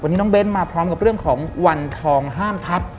วันนี้น้องเบ้นมาพร้อมกับเรื่องของวันทองห้ามทัพ